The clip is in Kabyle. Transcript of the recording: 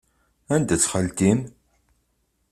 Anda-tt xalti-m?